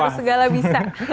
harus segala bisa